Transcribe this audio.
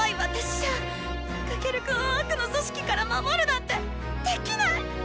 じゃあっ翔くんを悪の組織から守るなんてできないッ！」。